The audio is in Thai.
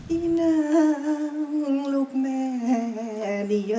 อีนางลูกแม่นี่เยอะ